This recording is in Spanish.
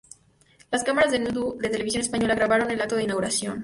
Las cámaras del No-Do de Televisión Española grabaron el acto de inauguración.